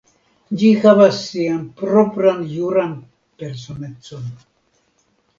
Ĝi havas sian propran juran personecon.